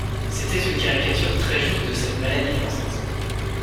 C’était une caricature très juste de cette maladie française.